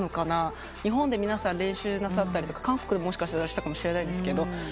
日本で皆さん練習なさったりとか韓国でもしかしたらしたかもしれないんですけど。